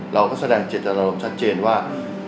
เราก็แสดงเจตนารมณ์ชัดเจนว่า